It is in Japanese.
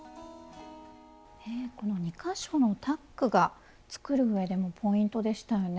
この２か所のタックが作る上でもポイントでしたよね。